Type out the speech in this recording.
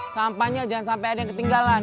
sampahnya jangan sampai ada yang ketinggalan